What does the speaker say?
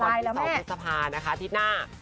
วันที่๒พฤษภานะคะอาทิตย์หน้า